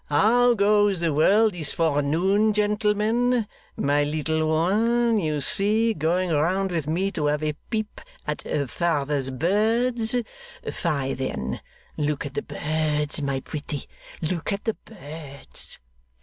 'How goes the world this forenoon, gentlemen? My little one, you see, going round with me to have a peep at her father's birds. Fie, then! Look at the birds, my pretty, look at the birds.